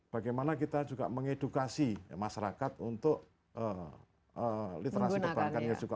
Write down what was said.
bagaimana kita juga mengedukasi masyarakat untuk literasi perbankannya juga